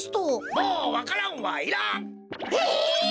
もうわか蘭はいらん！え！？